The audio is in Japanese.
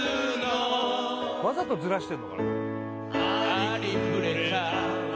わざとズラしてるのかな